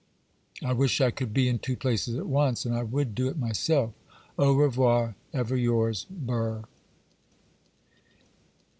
I wish I could be in two places at once, and I would do it myself. Au revoir. 'Ever yours, 'BURR.